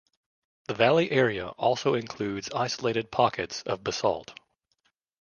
The valley area also includes isolated pockets of basalt.